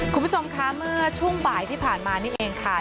คุณผู้ชมคะเมื่อช่วงบ่ายที่ผ่านมานี่เองค่ะ